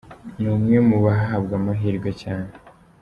Ni umwe mu bahabwa amahirwe cyane.